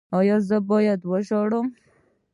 ایا زه باید ژاړم؟